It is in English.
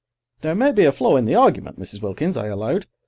"There may be a flaw in the argument, Mrs. Wilkins," I allowed.